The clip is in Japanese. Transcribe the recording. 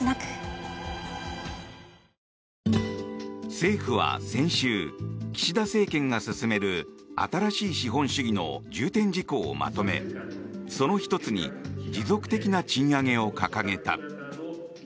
政府は先週、岸田政権が進める新しい資本主義の重点事項をまとめその１つに持続的な賃上げを掲げた。